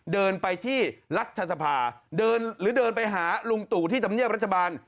เดินไปที่รัฐสภาเดินหรือเดินไปหาลุงตู่ที่ธรรมเนียบรัฐบาล